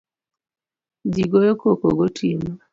Jii goyo koko gotieno